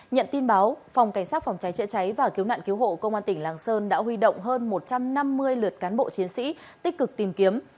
nhận tin báo phòng cảnh sát phòng cháy chữa cháy và cứu nạn cứu hộ công an tỉnh lạng sơn đã huy động hơn một trăm năm mươi lượt cán bộ chiến sĩ tích cực tìm kiếm